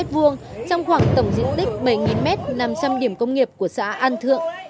trong khoảng tổng diện tích bảy m nằm trong điểm công nghiệp của xã an thượng